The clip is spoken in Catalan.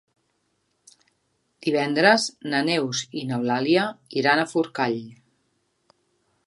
Divendres na Neus i n'Eulàlia iran a Forcall.